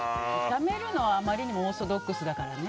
炒めるのはあまりにもオーソドックスだからね。